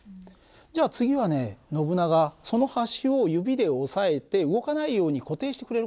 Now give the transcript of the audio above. じゃあ次はねノブナガその端を指で押さえて動かないように固定してくれるかな？